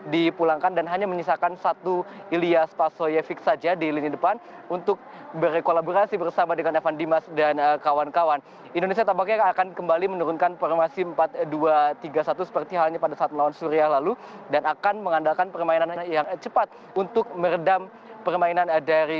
dan juga untuk menurunkan permasi empat dua tiga satu seperti halnya pada saat melawan suria lalu dan akan mengandalkan permainan yang cepat untuk meredam permainan dari gd